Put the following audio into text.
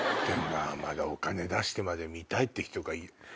でもまだお金出してまで見たいって人がいる。